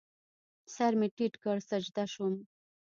سر مې ټیټ کړ، سجده شوم